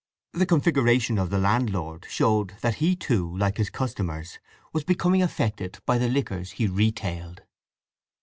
The configuration of the landlord showed that he, too, like his customers, was becoming affected by the liquors he retailed.